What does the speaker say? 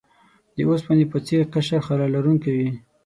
د اوسپنې په څیر قشر خلا لرونکی وي.